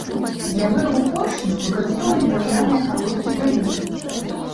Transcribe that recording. Для вырабу поршняў выкарыстоўвалі драўляныя калодкі-правілы.